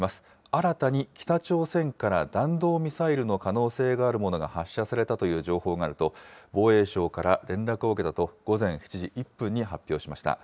新たに北朝鮮から弾道ミサイルの可能性があるものが発射されたという情報があると、防衛省から連絡を受けたと、午前７時１分に発表しました。